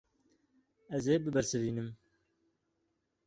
Ez ê bibersivînim.